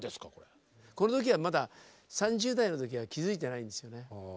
この時はまだ３０代の時は気付いてないんですよね。